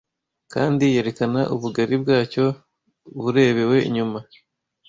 kandi yerekana ubugari bwacyo burebewe inyuma